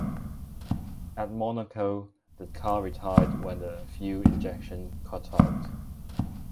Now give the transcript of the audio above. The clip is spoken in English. At Monaco the car retired when the fuel injection cut out.